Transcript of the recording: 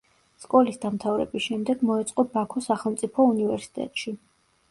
სკოლის დამთავრების შემდეგ მოეწყო ბაქო სახელმწიფო უნივერსიტეტში.